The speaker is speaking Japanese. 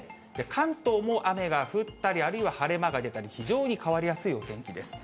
関東も雨が降ったり、あるいは晴れ間が出たり、非常に変わりやすいお天気です。